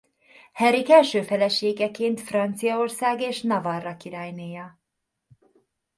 Henrik első feleségeként Franciaország és Navarra királynéja.